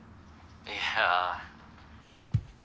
いや。